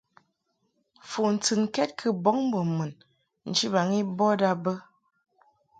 Fu ntɨnkɛd kɨ bɔŋ mbo mun nchibaŋ i bɔd a bə.